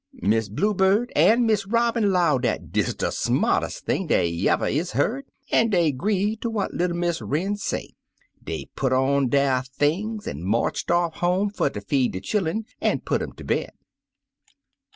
"Miss Blue Bird an' Miss Robin 'low dat dis de smartest thing dey 3r'ever is hear, an' dey 'gree ter what little Miss Wren say. Dey put on der things an' marched off home fer ter feed de chillun an' put um ter bed.